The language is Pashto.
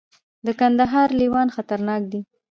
د کندهار لیوان خطرناک دي